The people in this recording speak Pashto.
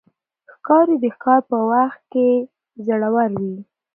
ښکاري د ښکار په وخت کې زړور وي.